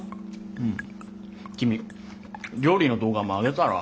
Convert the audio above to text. うん君料理の動画もあげたら？